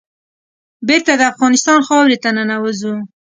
بېرته د افغانستان خاورې ته ننوزو.